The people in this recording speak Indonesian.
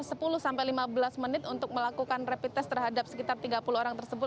sekitar sepuluh sampai lima belas menit untuk melakukan rapid test terhadap sekitar tiga puluh orang tersebut